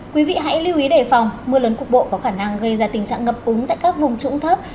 quý vị hãy lưu ý đề phòng mưa lớn cục bộ có khả năng gây ra tình trạng ngập úng tại các vùng trũng thấp